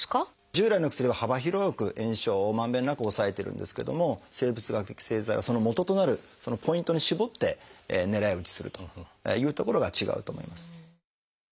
従来の薬は幅広く炎症をまんべんなく抑えてるんですけども生物学的製剤はそのもととなるポイントに絞って狙い撃ちするというところが違うと思います。